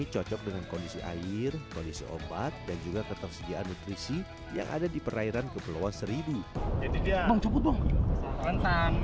metode dasar ini juga bisa dilakukan dengan berat dan air asin